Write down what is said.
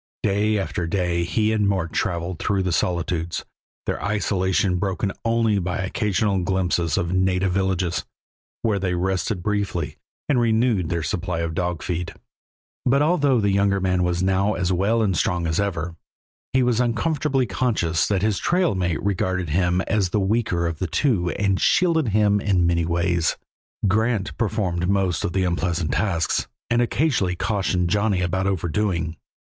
Day after day he and Mort traveled through the solitudes, their isolation broken only by occasional glimpses of native villages, where they rested briefly and renewed their supply of dog feed. But although the younger man was now as well and strong as ever, he was uncomfortably conscious that his trail mate regarded him as the weaker of the two and shielded him in many ways. Grant performed most of the unpleasant tasks, and occasionally cautioned Johnny about overdoing.